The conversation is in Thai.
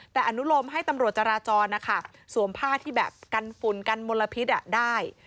แต่อนุโลมให้ตำรวจจราจรนะคะสวมผ้าที่แบบกันฝุ่นกันมลพิษได้